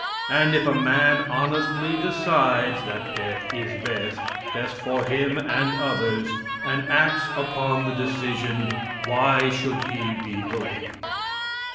And if a man honestly decides that death is best best for him and others and acts upon the decision, why should he be blamed?